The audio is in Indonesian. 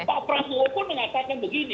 pak prasowo pun mengatakan begini